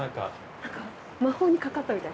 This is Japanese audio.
何か魔法にかかったみたい。